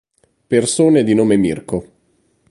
Persone di nome Mirko